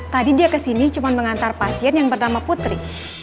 tadi dia kesini cuma mengantar pasien yang bernama putri